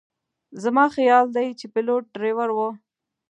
زما خیال دی چې پیلوټ ډریور و.